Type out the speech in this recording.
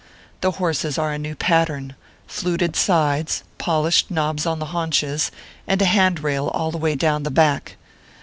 The horses are a new pattern ; fluted sides, polished knobs on the haunches, and a hand rail all the way down the back.